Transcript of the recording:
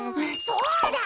そうだ！